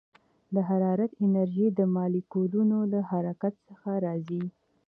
د حرارت انرژي د مالیکولونو له حرکت څخه راځي.